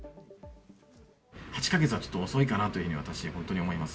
８か月はちょっと遅いかなというふうに、私、本当に思います。